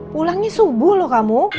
pulangnya subuh loh kamu